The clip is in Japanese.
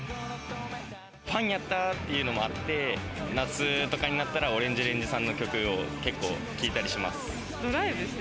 ファンやったっていうのもあって、夏とかになったら、ＯＲＡＮＧＥＲＡＮＧＥさんの曲を結構、聴いたりします。